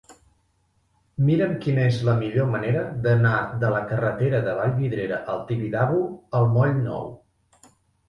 Mira'm quina és la millor manera d'anar de la carretera de Vallvidrera al Tibidabo al moll Nou.